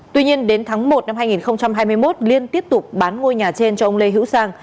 tuy nhiên đến tháng một năm hai nghìn hai mươi một liên tiếp tục bán ngôi nhà trên cho ông lê hữu sang